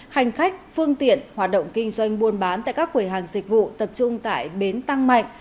hành khách phương tiện hoạt động kinh doanh buôn bán tại các quầy hàng dịch vụ tập trung tại bến tăng mạnh